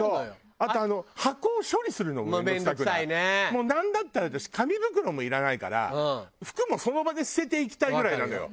もうなんだったら私紙袋もいらないから服もその場で捨てていきたいぐらいなのよ